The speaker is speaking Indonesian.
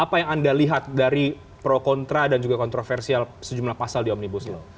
apa yang anda lihat dari pro kontra dan juga kontroversial sejumlah pasal di omnibus law